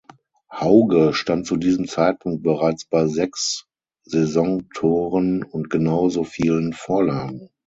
Hauge stand zu diesem Zeitpunkt bereits bei sechs Saisontoren und genau so vielen Vorlagen.